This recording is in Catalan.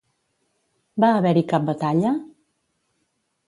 Va haver-hi cap batalla?